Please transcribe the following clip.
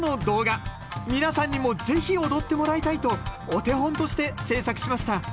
皆さんにもぜひ踊ってもらいたいとお手本として制作しました。